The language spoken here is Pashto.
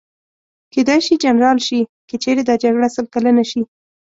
کېدای شي جنرال شي، که چېرې دا جګړه سل کلنه شي.